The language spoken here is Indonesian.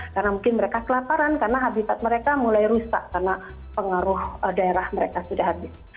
karena mungkin mereka kelaparan karena habitat mereka mulai rusak karena pengaruh daerah mereka sudah habis